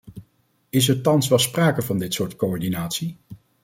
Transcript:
Is er thans wel sprake van dit soort coördinatie?